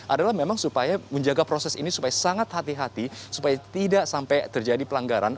adalah memang supaya menjaga proses ini supaya sangat hati hati supaya tidak sampai terjadi pelanggaran